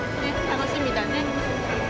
楽しみだね。